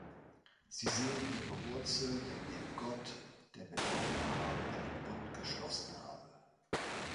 Sie sehen ihre Wurzeln in dem Gott, der mit Abraham einen Bund geschlossen habe.